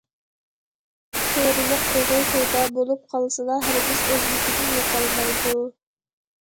قېرىلىق دېغى پەيدا بولۇپ قالسىلا ھەرگىز ئۆزلۈكىدىن يوقالمايدۇ.